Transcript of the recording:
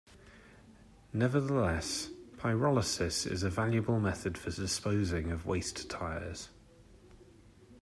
Nevertheless, pyrolysis is a valuable method for disposing of waste tires.